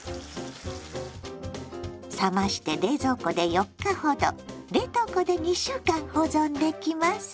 冷まして冷蔵庫で４日ほど冷凍庫で２週間保存できます。